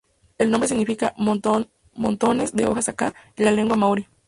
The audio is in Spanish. El nombre significa "montones de hojas aka" en la lengua maorí.